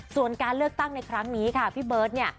ส่วนการเลือกตั้งในครั้งนี้ค่ะพี่เบิร์ตเนี่ย